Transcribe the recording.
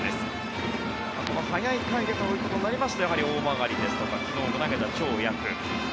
この早い回でということになりますと、大曲ですとか昨日も投げた張奕。